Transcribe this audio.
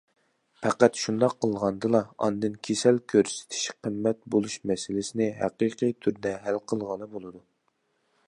پەقەت شۇنداق قىلغاندىلا ئاندىن كېسەل كۆرسىتىش قىممەت بولۇش مەسىلىسىنى ھەقىقىي تۈردە ھەل قىلغىلى بولىدۇ.